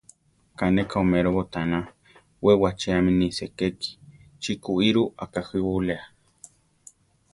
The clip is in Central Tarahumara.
Ká ne ka oméro botána; we wachéami ni sekéki; chi kuíro akajíwa buléa.